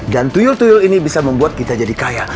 dan tuyul tuyul ini bisa membuat kita jadi kaya